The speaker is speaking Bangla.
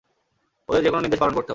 ওদের যেকোনো নির্দেশ পালন করতে হবে।